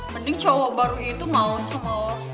mending cowok baru itu mau semua